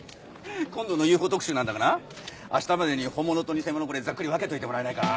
今度のＵＦＯ特集なんだがな明日までに本物と偽物これざっくり分けといてもらえないか。